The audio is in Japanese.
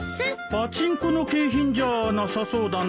パチンコの景品じゃなさそうだな。